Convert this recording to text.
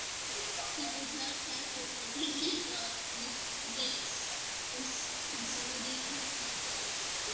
He was held captive for ten years while Mithridates was consolidating his conquests.